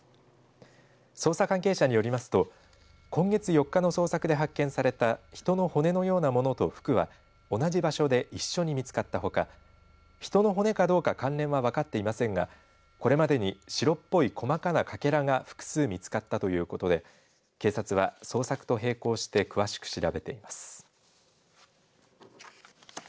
捜査関係者によりますと今月４日の捜索で発見された人の骨のようなものと服は同じ場所で一緒に見つかったほか人の骨かどうか関連は分かっていませんが、これまでに白っぽい細かなかけらが複数見つかったということで警察は捜索と平行して詳しく調べています。